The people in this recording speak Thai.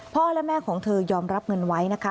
พ่อและแม่ของเธอยอมรับเงินไว้นะคะ